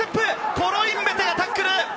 コロインベテがタックル！